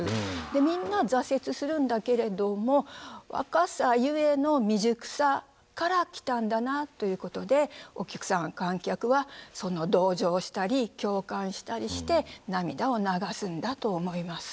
でみんな挫折するんだけれども若さゆえの未熟さから来たんだなということでお客さん観客はその同情したり共感したりして涙を流すんだと思います。